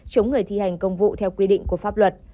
chống người thi hành công vụ theo quy định của pháp luật